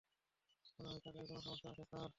মনে হয় চাকায় কোনো সমস্যা আছে, স্যার।